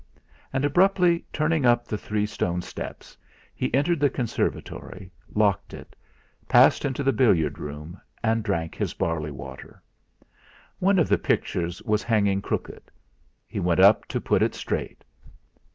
And, abruptly turning up the three stone steps, he entered the conservatory, locked it, passed into the billiard room, and drank his barley water. One of the pictures was hanging crooked; he went up to put it straight.